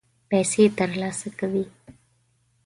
پیسې ترلاسه کوي.